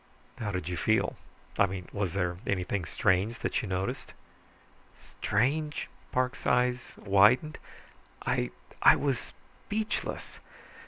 "How did you feel? I mean, was there anything strange that you noticed?" "Strange!" Parks' eyes widened. "I I was speechless.